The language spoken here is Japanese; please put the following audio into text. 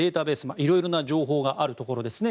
いろいろな情報があるところですね。